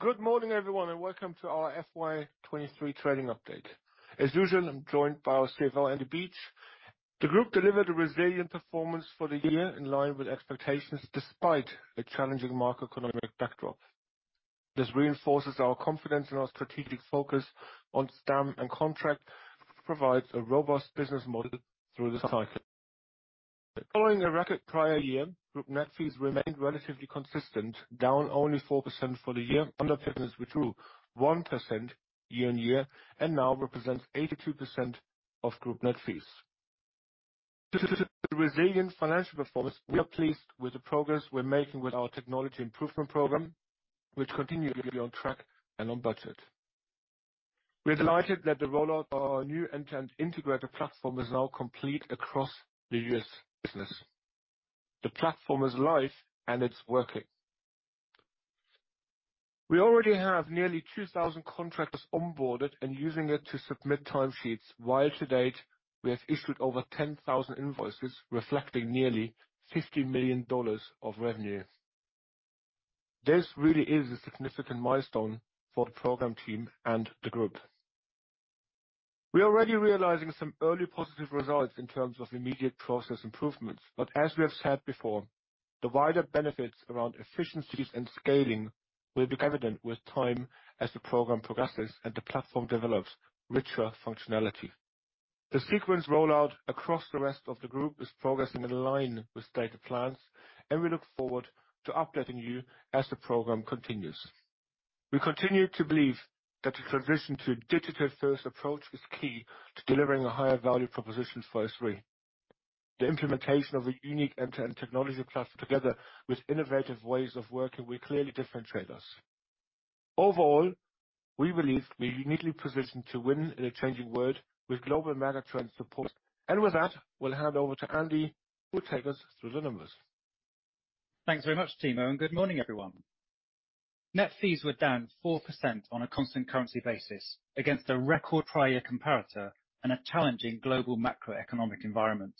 Good morning, everyone, and welcome to our FY 2023 trading update. As usual, I'm joined by our CFO, Andy Beach. The group delivered a resilient performance for the year in line with expectations, despite a challenging macroeconomic backdrop. This reinforces our confidence in our strategic focus on STEM and contract, provides a robust business model through this cycle. Following a record prior year, group net fees remained relatively consistent, down only 4% for the year. Our business grew 1% year-on-year and now represents 82% of group net fees. Due to the resilient financial performance, we are pleased with the progress we're making with our Technology Improvement Programme, which continued to be on track and on budget. We are delighted that the rollout of our new end-to-end integrated platform is now complete across the US business. The platform is live, and it's working. We already have nearly 2,000 contractors onboarded and using it to submit time sheets, while to date, we have issued over 10,000 invoices, reflecting nearly $50 million of revenue. This really is a significant milestone for the program team and the group. We are already realizing some early positive results in terms of immediate process improvements, but as we have said before, the wider benefits around efficiencies and scaling will be evident with time as the program progresses and the platform develops richer functionality. The sequenced rollout across the rest of the group is progressing in line with stated plans, and we look forward to updating you as the program continues. We continue to believe that the transition to a digital-first approach is key to delivering a higher value proposition for SThree. The implementation of a unique end-to-end technology platform, together with innovative ways of working, will clearly differentiate us. Overall, we believe we are uniquely positioned to win in a changing world with global megatrends support. With that, we'll hand over to Andy, who will take us through the numbers. Thanks very much, Timo, and good morning, everyone. Net fees were down 4% on a constant currency basis against a record prior year comparator and a challenging global macroeconomic environment.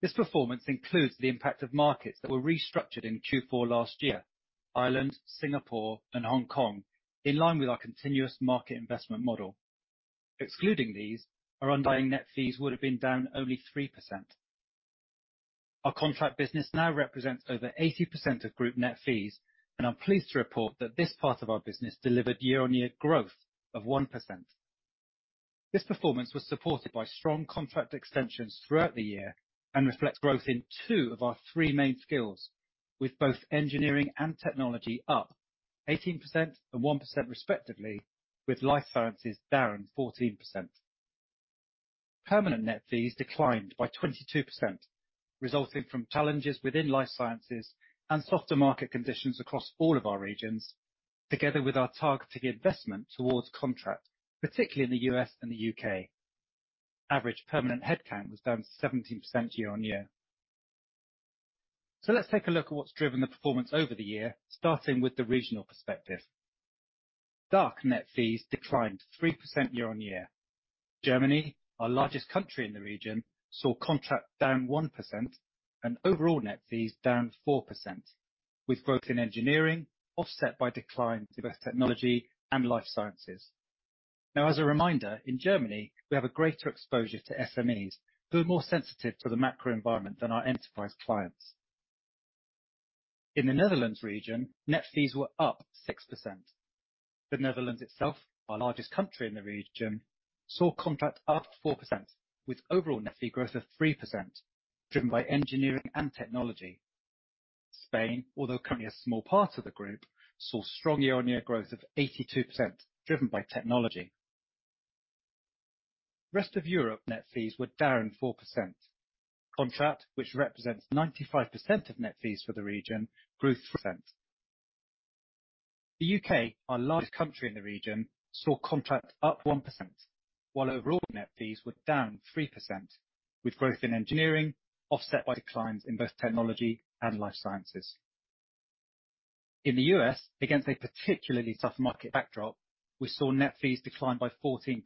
This performance includes the impact of markets that were restructured in Q4 last year: Ireland, Singapore, and Hong Kong, in line with our continuous market investment model. Excluding these, our underlying net fees would have been down only 3%. Our contract business now represents over 80% of group net fees, and I'm pleased to report that this part of our business delivered year-on-year growth of 1%. This performance was supported by strong contract extensions throughout the year and reflects growth in two of our three main skills, with both engineering and technology up 18% and 1%, respectively, with life sciences down 14%. Permanent net fees declined by 22%, resulting from challenges within life sciences and softer market conditions across all of our regions, together with our targeting investment towards contract, particularly in the U.S. and the U.K. Average permanent headcount was down 17% year-on-year. So let's take a look at what's driven the performance over the year, starting with the regional perspective. DACH net fees declined 3% year-on-year. Germany, our largest country in the region, saw contract down 1% and overall net fees down 4%, with growth in engineering offset by declines in both technology and life sciences. Now, as a reminder, in Germany, we have a greater exposure to SMEs, who are more sensitive to the macro environment than our enterprise clients. In the Netherlands region, net fees were up 6%. The Netherlands itself, our largest country in the region, saw contract up 4%, with overall net fee growth of 3%, driven by engineering and technology. Spain, although currently a small part of the group, saw strong year-over-year growth of 82%, driven by technology. Rest of Europe net fees were down 4%. Contract, which represents 95% of net fees for the region, grew 3%. The U.K., our largest country in the region, saw contract up 1%, while overall net fees were down 3%, with growth in engineering offset by declines in both technology and life sciences. In the U.S., against a particularly tough market backdrop, we saw net fees decline by 14%.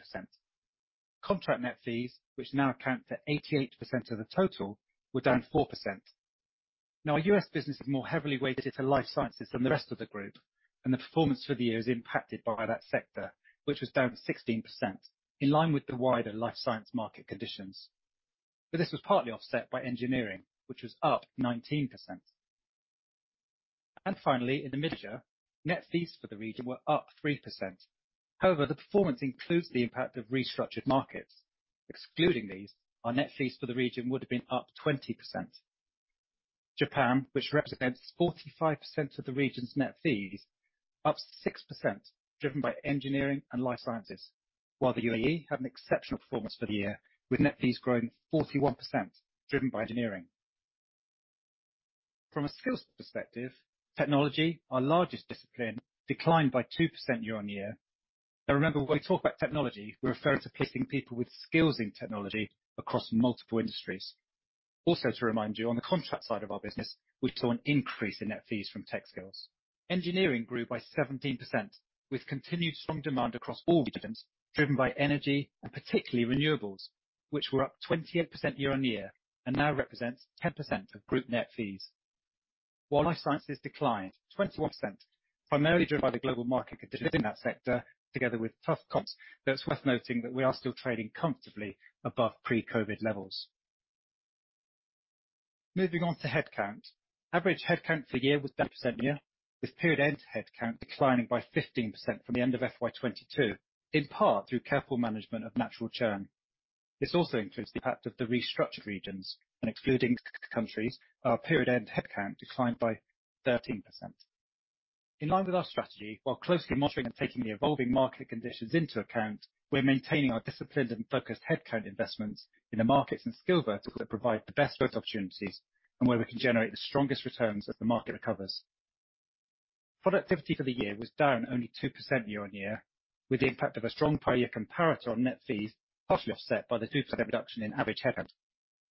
Contract net fees, which now account for 88% of the total, were down 4%. Now, our U.S. business is more heavily weighted to life sciences than the rest of the group, and the performance for the year is impacted by that sector, which was down 16%, in line with the wider life sciences market conditions. This was partly offset by engineering, which was up 19%. Finally, in the midyear, net fees for the region were up 3%. However, the performance includes the impact of restructured markets. Excluding these, our net fees for the region would have been up 20%. Japan, which represents 45% of the region's net fees, up 6%, driven by engineering and life sciences, while the UAE had an exceptional performance for the year, with net fees growing 41%, driven by engineering. From a skills perspective, technology, our largest discipline, declined by 2% year-over-year. Now remember, when we talk about technology, we're referring to placing people with skills in technology across multiple industries. Also, to remind you, on the contract side of our business, we saw an increase in net fees from tech skills. Engineering grew by 17%, with continued strong demand across all regions, driven by energy and particularly renewables, which were up 28% year-on-year, and now represents 10% of group net fees. While life sciences declined 21%, primarily driven by the global market conditions in that sector, together with tough comps, but it's worth noting that we are still trading comfortably above pre-COVID levels. Moving on to headcount. Average headcount for the year was down 10% year-on-year, with period-end headcount declining by 15% from the end of FY 2022, in part through careful management of natural churn. This also includes the impact of the restructured regions, and excluding countries, our period-end headcount declined by 13%. In line with our strategy, while closely monitoring and taking the evolving market conditions into account, we're maintaining our disciplined and focused headcount investments in the markets and skill verticals that provide the best growth opportunities, and where we can generate the strongest returns as the market recovers. Productivity for the year was down only 2% year-on-year, with the impact of a strong prior year comparator on net fees, partially offset by the 2% reduction in average headcount.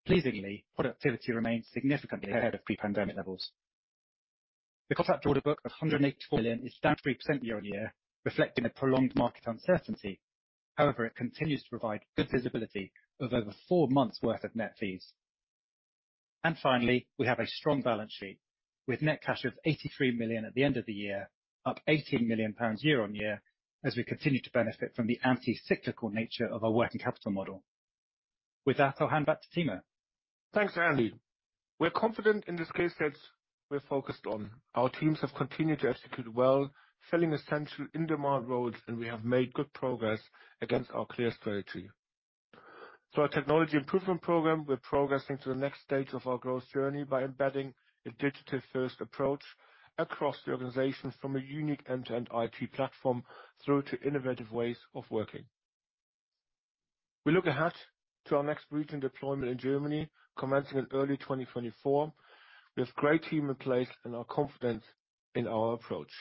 Pleasingly, productivity remains significantly ahead of pre-pandemic levels. The contract order book of 184 million is down 3% year-on-year, reflecting the prolonged market uncertainty. However, it continues to provide good visibility of over four months worth of net fees. And finally, we have a strong balance sheet, with net cash of 83 million at the end of the year, up 18 million pounds year-on-year, as we continue to benefit from the anti-cyclical nature of our working capital model. With that, I'll hand back to Timo. Thanks, Andy. We're confident in this case that we're focused on. Our teams have continued to execute well, filling essential in-demand roles, and we have made good progress against our clear strategy. Through our Technology Improvement Programme, we're progressing to the next stage of our growth journey by embedding a digital-first approach across the organization from a unique end-to-end IT platform, through to innovative ways of working. We look ahead to our next regional deployment in Germany, commencing in early 2024. We have great team in place and are confident in our approach.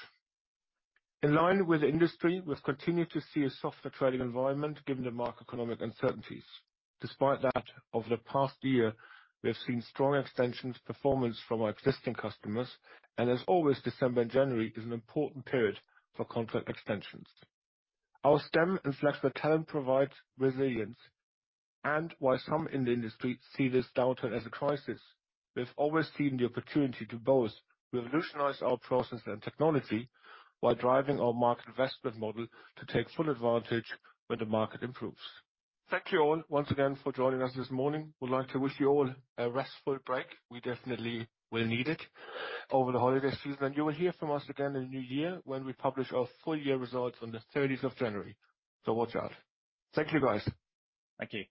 In line with the industry, we've continued to see a softer trading environment, given the macroeconomic uncertainties. Despite that, over the past year, we have seen strong extension to performance from our existing customers, and as always, December and January is an important period for contract extensions. Our STEM and flexible talent provides resilience, and while some in the industry see this downturn as a crisis, we have always seen the opportunity to both revolutionize our processes and technology while driving our market investment model to take full advantage when the market improves. Thank you all once again for joining us this morning. I would like to wish you all a restful break. We definitely will need it over the holiday season, and you will hear from us again in the new year when we publish our full year results on the thirtieth of January. So watch out. Thank you, guys. Thank you.